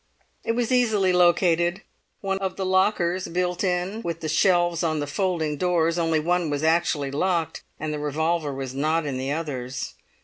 It was easily located; of the lockers, built in with the shelves on the folding doors, only one was actually locked, and the revolver was not in the others.